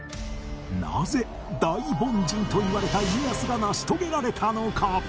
なぜ大凡人といわれた家康が成し遂げられたのか？